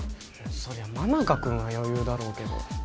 そりゃ真中君は余裕だろうけど。